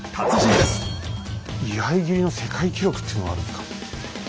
居合斬りの世界記録っていうのがあるんですか。